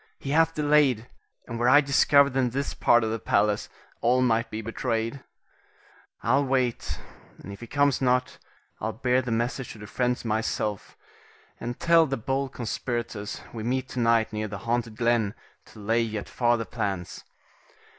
he hath delayed, and were I discovered in this part of the palace, all might be betrayed. I'll wait, and if he comes not, I'll bear the message to the friends myself, and tell the bold conspirators we meet to night near the haunted glen, to lay yet farther plans.